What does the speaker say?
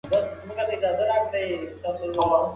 آیا ته آنلاین ازموینې ته چمتو یې؟